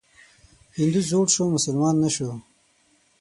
هندو زوړ شو مسلمان نه شو.